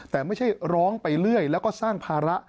แต่ไม่ใช่ร้องไปเรื่อยแล้วก็สร้างภาระ